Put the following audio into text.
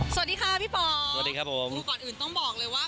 สวัสดีค่ะพี่ปอสวัสดีครับผมก่อนอื่นต้องบอกเลยว่า